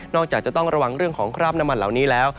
จากจะต้องระวังเรื่องของคราบน้ำมันเหล่านี้แล้ว